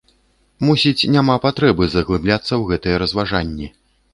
Мусіць, няма патрэбы заглыбляцца ў гэтыя разважанні.